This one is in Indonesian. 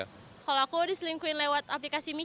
kalau aku diselingkuhin lewat aplikasi micro